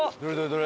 どれ？